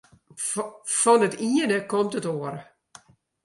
Fan it iene komt it oare.